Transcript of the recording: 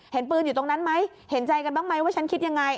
เห็นปืนอยู่ตรงนั้นไหมเห็นใจกันบ้างไหมว่าฉันคิดยังไง